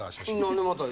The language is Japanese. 何でまた。